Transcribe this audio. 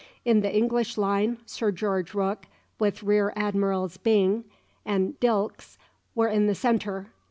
In the English line, Sir George Rooke, with Rear Admirals Byng and Dilkes, were in the centre.